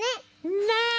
ねえ！